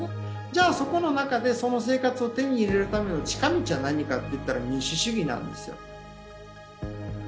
じゃあそこの中でその生活を手に入れるための近道は何かといったら民主主義なんですよ。